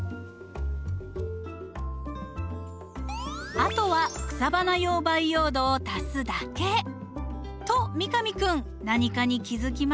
あとは草花用培養土を足すだけ！と三上君何かに気付きましたよ。